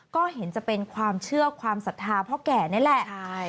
ก็เห็นจะเป็นความเชื่อความศรัทธาพ่อแก่นี่แหละ